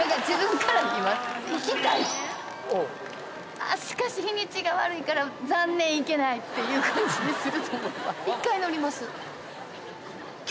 あしかし日にちが悪いから残念行けないっていう感じですよ。